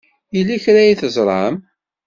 Yella kra ay teẓram.